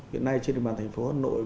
hiện nay trên địa bàn thành phố hà nội